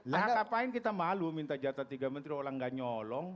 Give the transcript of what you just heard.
nah ngapain kita malu minta jatah tiga menteri orang gak nyolong